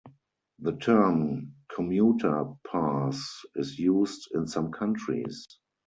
The term "commuter pass" is used in some countries.